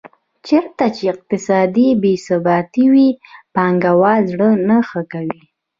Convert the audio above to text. چېرته چې اقتصادي بې ثباتي وي پانګوال زړه نه ښه کوي.